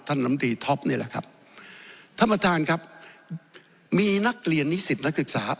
ลำตีท็อปนี่แหละครับท่านประธานครับมีนักเรียนนิสิตนักศึกษา